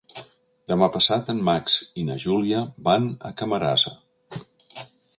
Demà passat en Max i na Júlia van a Camarasa.